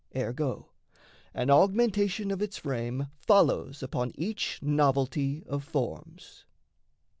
Ergo, an augmentation of its frame Follows upon each novelty of forms.